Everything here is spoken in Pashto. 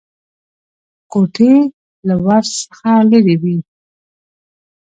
کوټې له ور څخه لرې وې.